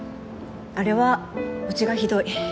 あれはうちがひどい。